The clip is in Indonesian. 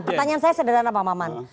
pertanyaan saya sederhana bang maman